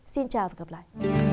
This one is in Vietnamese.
xin chào và hẹn gặp lại